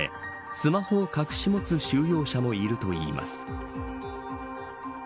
スマホを隠し持つ収容者もいるといいます。